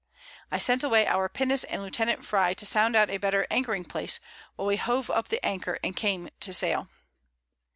I sent away our Pinnace, and Lieut. Frye to sound out a better anchoring Place, while we hove up the Anchor, and came to sail.